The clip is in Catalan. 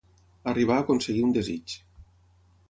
Arribar a aconseguir un desig.